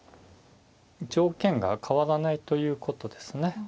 条件が変わらないということですね。